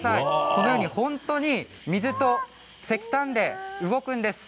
このように本当に水と石炭で動くんです。